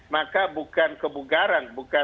maka bukan kebugaran